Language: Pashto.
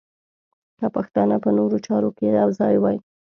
که پښتانه په نورو چارو کې یو ځای وای.